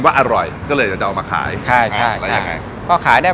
ไม่ถึงขนาดนั้น